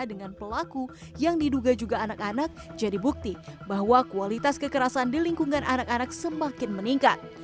dengan pelaku yang diduga juga anak anak jadi bukti bahwa kualitas kekerasan di lingkungan anak anak semakin meningkat